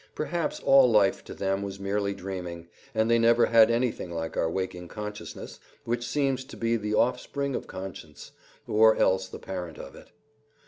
Perhaps all life to them was merely dreaming, and they never had anything like our waking consciousness, which seems to be the offspring of conscience, or else the parent of it.